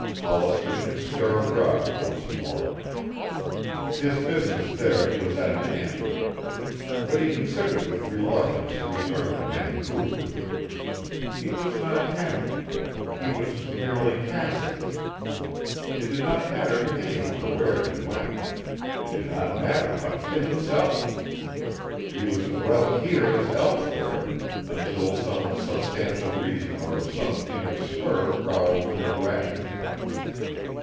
Hollister could stir abroad once more. His business there was at an end. But he considered with reluctance a return to Vancouver. He was not happy. He was merely passive. It did not matter to anyone where he went. It did not matter much to himself. He was as well here as elsewhere until some substantial reason or some inner spur rowelled him into action.